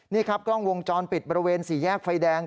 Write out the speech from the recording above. นี่ครับกล้องวงจรปิดบริเวณสี่แยกไฟแดง